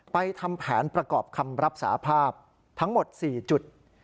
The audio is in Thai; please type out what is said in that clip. ทำแผนประกอบคำรับสาภาพทั้งหมด๔จุด